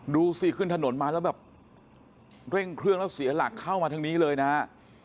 ดูสิขึ้นถนนมาแล้วแบบเร่งเครื่องแล้วเสียหลักเข้ามาทางนี้เลยนะฮะ